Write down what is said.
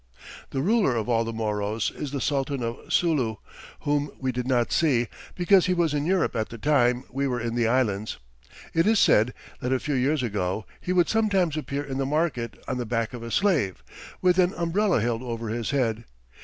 The ruler of all the Moros is the Sultan of Sulu, whom we did not see because he was in Europe at the time we were in the Islands. It is said that a few years ago he would sometimes appear in the market on the back of a slave, with an umbrella held over his head.